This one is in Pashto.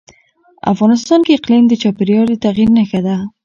افغانستان کې اقلیم د چاپېریال د تغیر نښه ده.